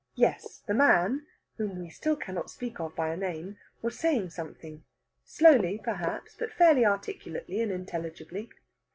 Yes, the man (whom we still cannot speak of by a name) was saying something slowly, perhaps but fairly articulately and intelligibly.